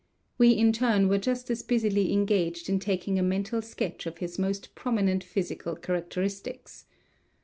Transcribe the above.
We in turn were just as busily engaged in taking a mental sketch of his most prominent physical characteristics.